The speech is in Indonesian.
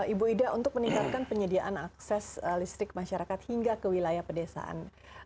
ibu ida untuk meningkatkan penyediaan akses listrik masyarakat hingga ke wilayah pedesaan